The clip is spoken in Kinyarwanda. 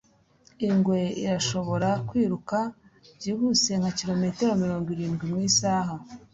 Ingwe irashobora kwiruka byihuse nka kilometero mirongo irindwi mu isaha.